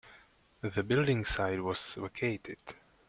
The building site was vacated.